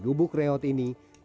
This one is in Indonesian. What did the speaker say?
sebelumnya tresya terserah